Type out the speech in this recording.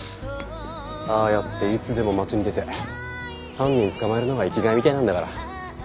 ああやっていつでも街に出て犯人捕まえるのが生きがいみたいなんだから。